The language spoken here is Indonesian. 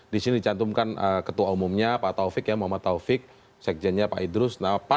disini dicantumkan ketua umumnya pak taufik ya muhammad taufik sekjennya pak edy ya